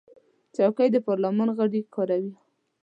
چوکۍ د پارلمان غړي کاروي.